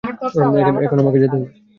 এখন আমাকে যেতে হবে।